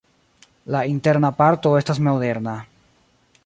La interna parto estas moderna.